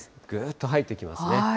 ぐーっと入ってきますね。